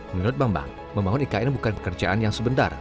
menurut bambang membangun ikn bukan pekerjaan yang sebentar